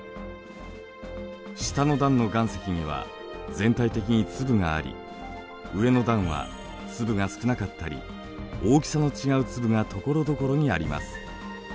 下の段の岩石には全体的に粒があり上の段は粒が少なかったり大きさの違う粒がところどころにあります。